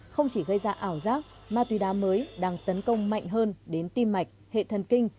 không chỉ gây ra ảo giác ma túy đá mới đang tấn công mạnh hơn đến tim mạch hệ thần kinh